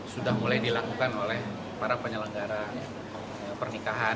sudah mulai dilakukan oleh para penyelenggara pernikahan